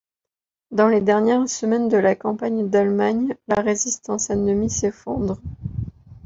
Dans les dernières semaines de la campagne d'Allemagne, la résistance ennemie s'effondre.